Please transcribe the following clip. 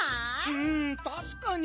うんたしかに。